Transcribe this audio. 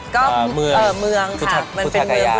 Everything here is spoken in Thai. ก็เมืองค่ะมันเป็นเมืองบุฒษภัยา